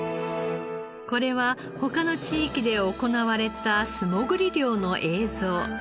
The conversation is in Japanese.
これは他の地域で行われた素潜り漁の映像。